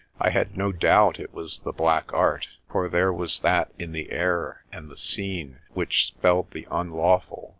I had no doubt it was the black art, for there was that in the air and the scene which spelled the unlawful.